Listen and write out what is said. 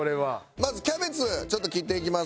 まずキャベツ切っていきます。